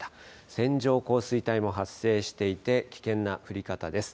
線状降水帯も発生していて危険な降り方です。